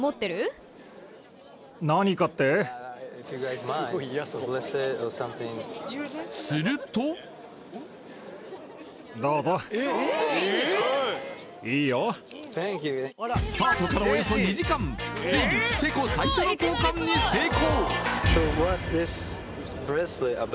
ついにするとＴｈａｎｋｙｏｕスタートからおよそ２時間ついにチェコ最初の交換に成功